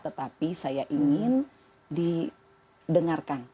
tetapi saya ingin didengarkan